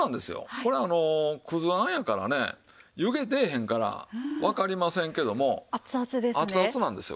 これ葛あんやからね湯気出ぇへんからわかりませんけども熱々なんですよ